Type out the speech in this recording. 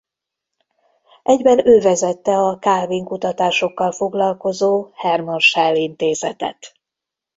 Egyben ő vezette a Kálvin-kutatásokkal foglalkozó Hermann Schell Intézetet.